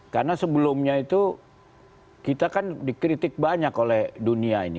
karena sebelumnya itu kita kan dikritik banyak oleh dunia ini